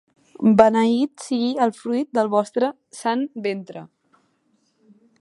Beneït sigui el fruit del vostre sant ventre.